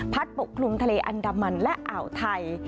ปกคลุมทะเลอันดามันและอ่าวไทย